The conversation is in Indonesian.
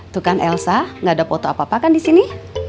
tuh kan elsa gak ada foto apa apa kan disini